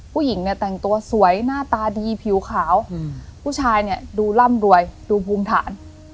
ผู้หญิงเนี่ยแต่งตัวสวยหน้าตาดีผิวขาวผู้ชายเนี่ยดูร่ำรวยดูภูมิฐาน